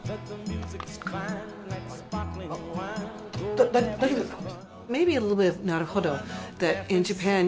だ大丈夫ですか？